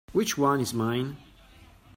Which one is mine?